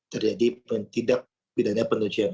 terjadi tidak pidana pencucian